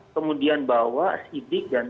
kemudian bawa sidik dan